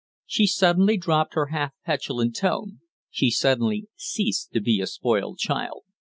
She suddenly dropped her half petulant tone; she suddenly ceased to be a spoiled child.